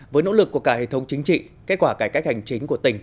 với nỗ lực của cả hệ thống chính trị kết quả cải cách hành chính của tỉnh